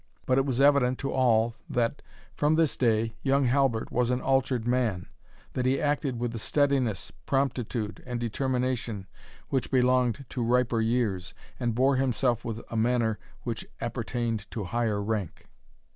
But it was evident to all, that, from this day, young Halbert was an altered man; that he acted with the steadiness, promptitude, and determination, which belonged to riper years, and bore himself with a manner which appertained to higher rank.